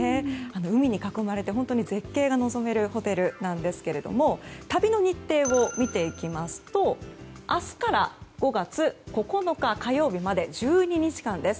海に囲まれて本当に絶景が望めるホテルですが旅の日程を見ていきますと明日から５月９日、火曜日まで１２日間です。